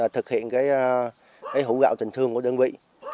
thực hiện hũ gạo tình thương của đơn vị